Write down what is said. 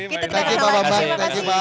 kita tidak akan mengganggu lagi